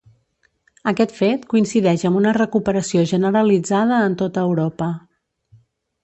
Aquest fet coincideix amb una recuperació generalitzada en tota Europa.